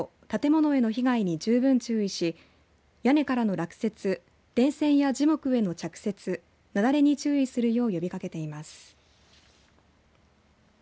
建物への被害に十分注意し屋根からの落雪電線や樹木への着雪なだれに注意するよう呼びかけています。